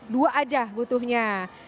dua aja butuhnya